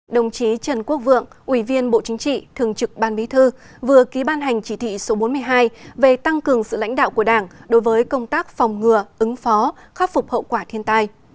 đồng chí trần quốc vượng ủy viên bộ chính trị thường trực ban bí thư vừa ký ban hành chỉ thị số bốn mươi hai về tăng cường sự lãnh đạo của đảng đối với công tác phòng ngừa ứng phó khắc phục hậu quả thiên tai